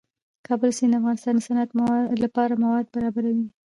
د کابل سیند د افغانستان د صنعت لپاره مواد برابروي.